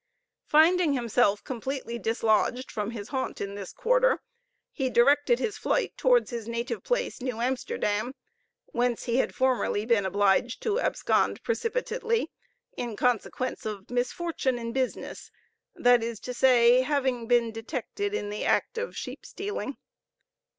Finding himself completely dislodged from his haunt in this quarter, he directed his flight towards his native place, New Amsterdam, whence he had formerly been obliged to abscond precipitately, in consequence of misfortune in business that is to say, having been detected in the act of sheep stealing.